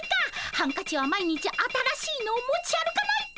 ハンカチは毎日新しいのを持ち歩かないと！